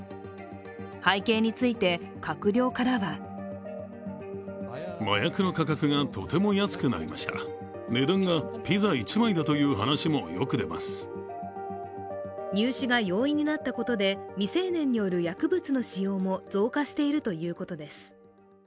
背景について、閣僚からは入手が容易になったことで、未成年による薬物の使用も増加しているということです。